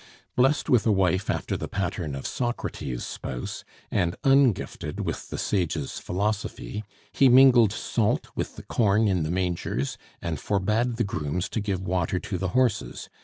Blessed with a wife after the pattern of Socrates' spouse, and ungifted with the sage's philosophy, he mingled salt with the corn in the mangers and forbad the grooms to give water to the horses.